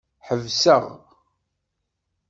Ḥebseɣ.